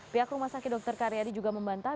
pihak rumah sakit dr karyadi juga membantah